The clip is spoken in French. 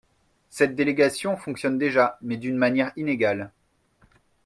Cette délégation fonctionne déjà, mais d’une manière inégale.